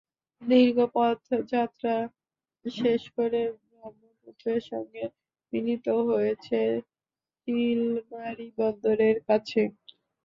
দীর্ঘ পথযাত্রা শেষ করে ব্রহ্মপুত্রের সঙ্গে মিলিত হয়েছে চিলমারী বন্দরের কাছে।